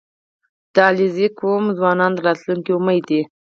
• د علیزي قوم ځوانان د راتلونکي امید دي.